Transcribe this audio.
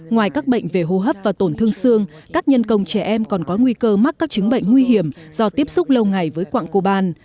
ngoài các bệnh về hô hấp và tổn thương xương các nhân công trẻ em còn có nguy cơ mắc các chứng bệnh nguy hiểm do tiếp xúc lâu ngày với quạng coban